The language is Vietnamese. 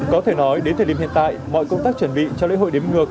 có thể nói đến thời điểm hiện tại mọi công tác chuẩn bị cho lễ hội đếm ngược